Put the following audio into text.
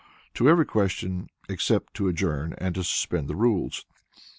] to every question, except to Adjourn and to Suspend the Rules.